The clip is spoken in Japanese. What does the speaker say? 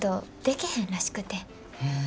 へえ。